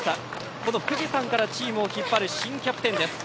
この富士山からチームを引っ張る新キャプテンです。